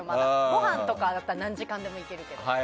ごはんとかだったら何時間でもいけるけど。